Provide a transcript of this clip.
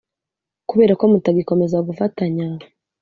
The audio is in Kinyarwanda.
Kubera ko mutagikomeza gufatanya